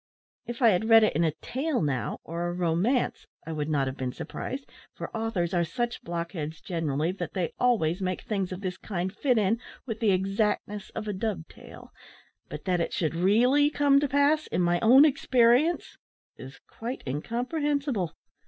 If I had read it in a tale, now, or a romance, I would not have been surprised, for authors are such blockheads, generally, that they always make things of this kind fit in with the exactness of a dove tail; but that it should really come to pass in my own experience, is quite incomprehensible.